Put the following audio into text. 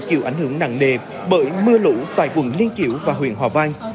điều ảnh hưởng nặng đề bởi mưa lũ tại quận liên chiểu và huyện hòa vang